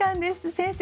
先生